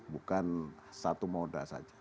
bukan satu moda saja